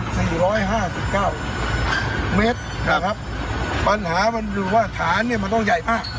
สี่ร้อยห้าสิบเก้าเมตรนะครับปัญหามันดูว่าฐานเนี้ยมันต้องใหญ่มาก